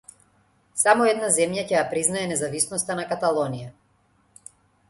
Само една земја ќе ја признае независноста на Каталонија.